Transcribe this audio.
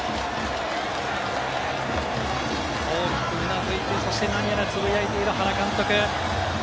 大きくうなずいて、そして何やらつぶやいている原監督。